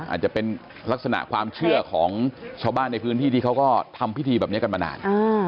อาจจะเป็นลักษณะความเชื่อของชาวบ้านในพื้นที่ที่เขาก็ทำพิธีแบบนี้กันมานาน